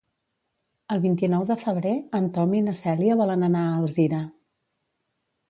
El vint-i-nou de febrer en Tom i na Cèlia volen anar a Alzira.